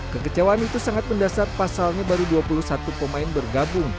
kekecewaan itu sangat mendasar pasalnya baru dua puluh satu pemain bergabung